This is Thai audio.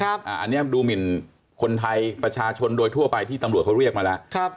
อันนี้ดูหมินคนไทยประชาชนโดยทั่วไปที่ตำรวจเขาเรียกมาแล้ว